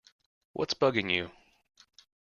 What’s bugging you?